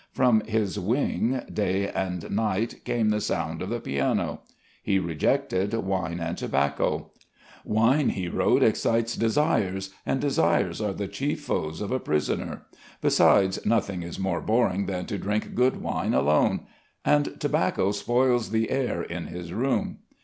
From his wing day and night came the sound of the piano. He rejected wine and tobacco. "Wine," he wrote, "excites desires, and desires are the chief foes of a prisoner; besides, nothing is more boring than to drink good wine alone," and tobacco spoils the air in his room.